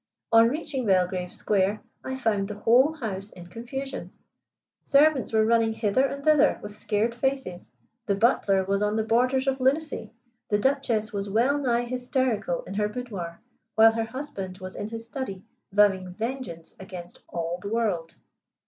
On reaching Belgrave Square, I found the whole house in confusion. Servants were running hither and thither with scared faces, the butler was on the borders of lunacy, the Duchess was well nigh hysterical in her boudoir, while her husband was in his study vowing vengeance against all the world."